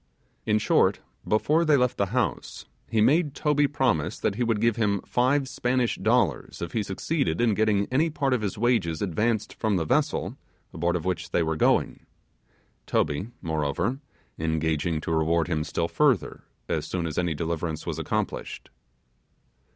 In short, before they left the house, he made Toby promise that he would give him five Spanish dollars if he succeeded in getting any part of his wages advanced from the vessel, aboard of which they were going; Toby, moreover, engaging to reward him still further, as soon as my deliverance was accomplished.